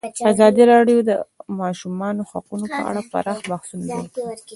ازادي راډیو د د ماشومانو حقونه په اړه پراخ بحثونه جوړ کړي.